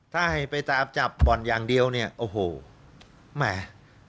ถ้าให้ไปตามจับบ่อนอย่างเดียวเนี่ยโอ้โหแหม